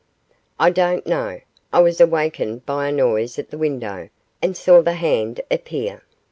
I don't know. I was awakened by a noise at the window, and saw the hand appear.